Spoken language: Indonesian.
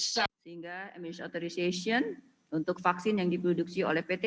sehingga administrasi otoritas untuk vaksin yang diproduksi oleh pt